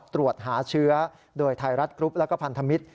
ตรวจหาเชื้อโดยไทยรัฐและพันธมิตร